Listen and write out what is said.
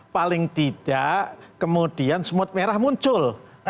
paling tidak kemudian smooth merah muncul